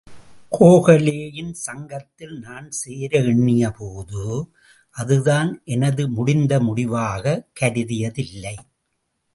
கோகலேயின் சங்கத்தில் நான் சேர எண்ணிய போது, அதுதான் எனது முடிந்த முடிவாகக் கருதியதில்லை.